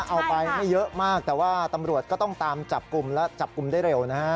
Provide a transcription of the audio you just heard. เอาไปไม่เยอะมากแต่ว่าตำรวจก็ต้องตามจับกลุ่มและจับกลุ่มได้เร็วนะฮะ